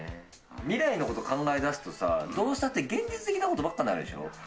未来のこと考えだすとさ、どうしたって現実的なことばっかになるでしょ。